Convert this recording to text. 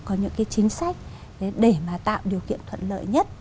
có những cái chính sách để mà tạo điều kiện thuận lợi nhất